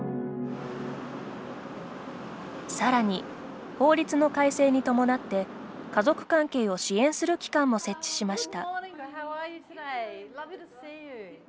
さらに、法律の改正に伴って家族関係を支援する機関も設置しました。